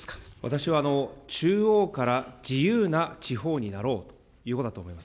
私は、中央から自由な地方になろうということだと思います。